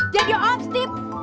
jadi om stip